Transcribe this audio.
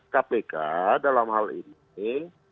kpk dalam hal ini